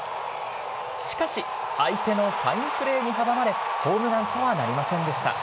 しかし、相手のファインプレーに阻まれ、ホームランとはなりませんでした。